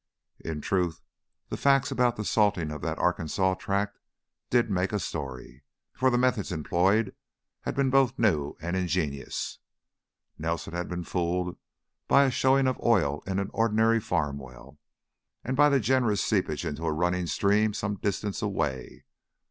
In truth, the facts about the salting of that Arkansas tract did make a story, for the methods employed had been both new and ingenious. Nelson had been fooled by a showing of oil in an ordinary farm well, and by a generous seepage into a running stream some distance away.